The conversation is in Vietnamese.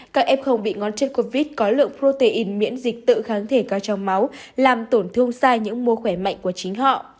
các f bị ngón chân covid có lượng protein miễn dịch tự kháng thể cao trong máu làm tổn thương xa những mô khỏe mạnh của chính họ